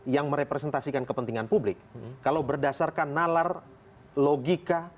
yang merepresentasikan kepentingan publik kalau berdasarkan nalar logika